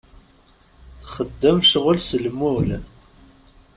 Txeddem ccɣel s lmul.